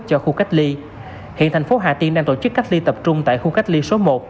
cho khu cách ly hiện thành phố hà tiên đang tổ chức cách ly tập trung tại khu cách ly số một